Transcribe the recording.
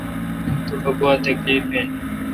تو ٹھ گوا تکلیف این؟